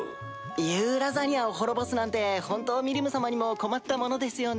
ユーラザニアを滅ぼすなんてホントミリム様にも困ったものですよね。